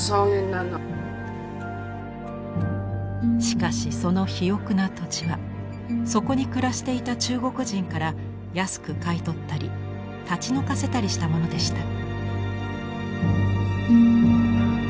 しかしその肥沃な土地はそこに暮らしていた中国人から安く買い取ったり立ち退かせたりしたものでした。